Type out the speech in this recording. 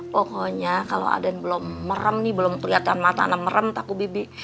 pokoknya kalau aden belum merem nih belum kelihatan mata anak merem takut bebe